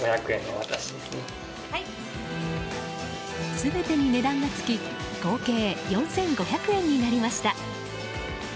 全てに値段が付き合計４５００円になりました。